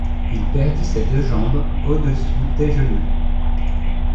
Il perdit ses deux jambes au-dessous des genoux.